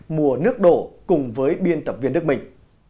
mùa nước đổ cùng với biên tập viên đức minh